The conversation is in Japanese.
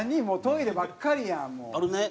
もうトイレばっかりやん。